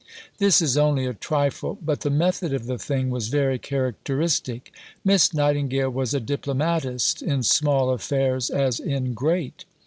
'" This is only a trifle; but the method of the thing was very characteristic. Miss Nightingale was a diplomatist in small affairs as in great.